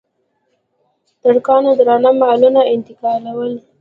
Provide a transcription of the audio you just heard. ټرکونه درانه مالونه انتقالوي.